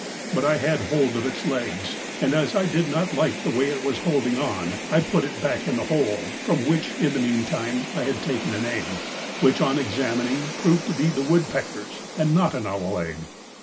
But I had hold of its legs, and as I did not like the way it was holding on, I put it back into the hole, from which in the meantime I had taken an egg, which on examining proved to be the woodpecker's and not an owl egg.